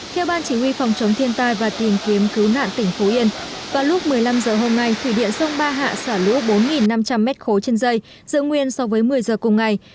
theo ban chỉ huy phòng chống thiên tai và tìm kiếm cứu nạn tỉnh phú yên vào lúc một mươi năm h hôm nay thủy điện sông ba hạ xả lũ bốn năm trăm linh m ba trên dây dự nguyên so với một mươi giờ cùng ngày